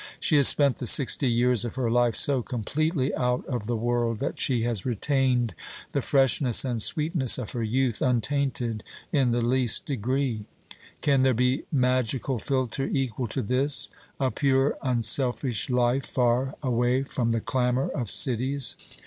She has spent the sixty years of her life so completely out of the world, that she has retained the freshness and sweetness of her youth untainted in the least degree. Can there be magical philtre equal to this a pure unselfish life, far away from the clamour of cities?